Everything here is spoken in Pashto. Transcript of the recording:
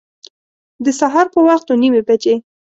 د سهار په وخت اوه نیمي بجي